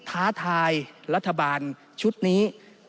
ท้าทายรัฐบาลชุดนี้